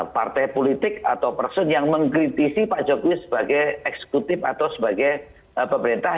partai politik atau person yang mengkritisi pak jokowi sebagai eksekutif atau sebagai pemerintah